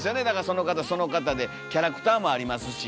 その方その方でキャラクターもありますし。